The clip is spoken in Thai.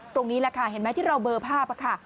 ตรงนี้แหละค่ะเห็นไหมที่เราเบอร์ภาพค่ะ